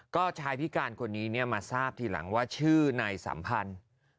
ก็ชายพิการคนนี้มาทราบทีหลังว่าชื่อนายสัมพันธ์